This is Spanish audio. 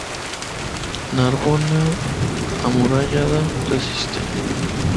Narbona amurallada resiste.